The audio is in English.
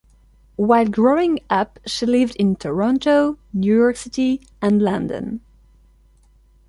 While growing up she lived in Toronto, New York City, and London.